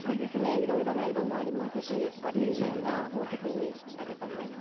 いろいろな色もありますしバリエーションが豊富にあると思います。